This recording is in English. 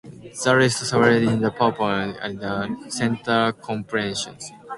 The list survives in the Poppleton Manuscript, a thirteenth-century compilation.